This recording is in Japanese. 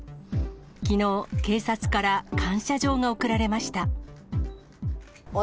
きのう、警察から感謝状が贈られおっ